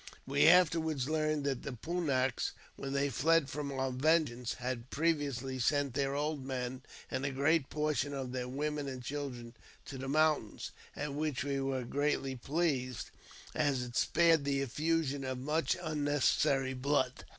We afterward learned that the Pun naks, when they fled from our vengeance, had "previously sent their old men, and a great portion of their women and children, to the mountains, at which we were greatly pleased, as it 'spared the effusion of much unnecessary blood.